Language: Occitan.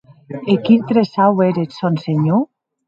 E quin tresau ère eth sòn, senhor?